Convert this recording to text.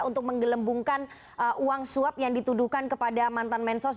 untuk menggelembungkan uang suap yang dituduhkan kepada mantan mensos